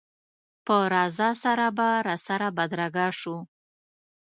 په رضا سره به راسره بدرګه شو.